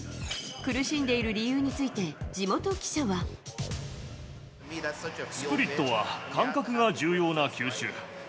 苦しんでいる理由について、スプリットは感覚が重要な球種。